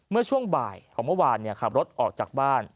เมื่อช่วงบ่ายของเมื่อวานขับรถออกจากบ้าน